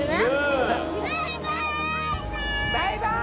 バイバーイ！